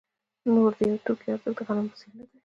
نور د یوه توکي ارزښت د غنمو په څېر نه دی